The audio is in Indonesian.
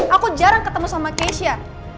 aku jarang ketemu sama keisha